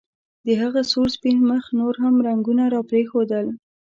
د هغه سور سپین مخ نور هم رنګونه راپرېښودل